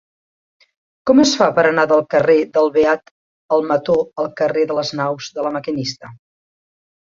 Com es fa per anar del carrer del Beat Almató al carrer de les Naus de La Maquinista?